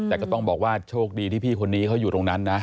แต่ก็ต้องบอกว่าโชคดีที่พี่คนนี้เขาอยู่ตรงนั้นนะ